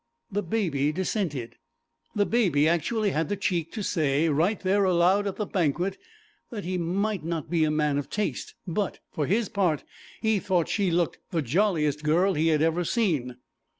The Baby dissented; the Baby actually had the 'cheek' to say, right there aloud at the banquet, that he might not be a man of taste, but, for his part, he thought she looked 'the jolliest girl' he had ever seen.